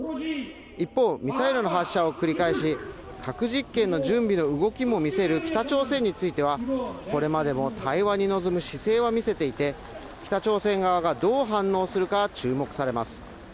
一方ミサイルの発射を繰り返し核実験の準備の動きも見せる北朝鮮についてはこれまでも対話に臨む姿勢は見せていて北朝鮮側がどう反応するか注目されます